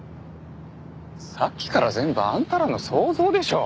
さっきから全部あんたらの想像でしょう？